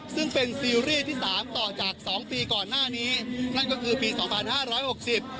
ซึ่งเป็นซีรีส์ที่สามต่อจากสองปีก่อนหน้านี้นั่นก็คือปีสองพันห้าร้อยหกสิบ